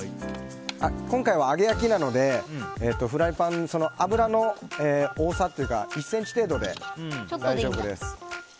今回は揚げ焼きなのでフライパンに１ｃｍ程度で大丈夫です。